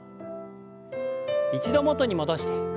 一度元に戻して。